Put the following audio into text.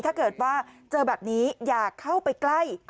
ถ้าเกิดว่าเจอแบบนี้อย่าเข้าไปใกล้